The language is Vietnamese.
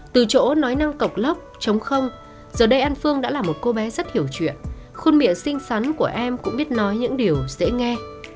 từ chỗ nói năng cọc lóc chống không giờ đây anh phương đã là một cô bé rất hiểu chuyện khuôn miệng xinh xắn của em cũng biết nói những điều dễ nghe